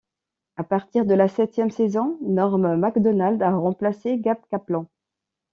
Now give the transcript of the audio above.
À partir de la septième saison, Norm Macdonald a remplacé Gabe Kaplan.